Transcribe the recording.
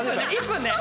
１分ね！